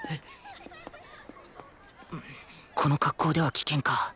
この格好では危険か